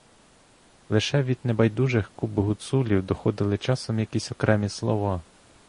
Лише від найближчих куп гуцулів доходили часом якісь окремі слова.